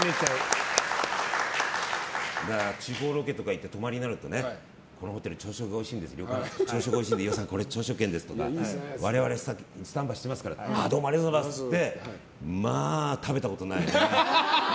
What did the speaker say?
○！地方ロケとか行って泊まりになるとこのホテル朝食がおいしいんで飯尾さん、これ朝食券ですって我々スタンバイしてますからってなりどうもありがとうございますってまあ食べたことないね。